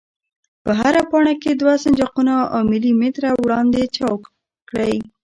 په هره پاڼه کې دوه سنجاقونه او ملي متره وړاندې چوګ کړئ.